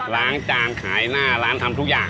ล้างจานขายหน้าร้านทำทุกอย่าง